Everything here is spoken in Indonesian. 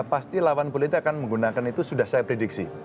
pasti lawan politik akan menggunakan itu sudah saya prediksi